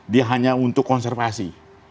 dia hanya untuk konservasi